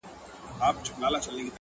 زړه مي د اشنا په لاس کي وليدی,